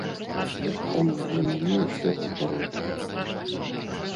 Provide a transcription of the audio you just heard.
Таму для мяне ўсё гэта роднае.